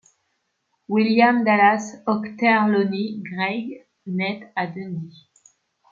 William Dallas Ochterlony Greig naît à Dundee.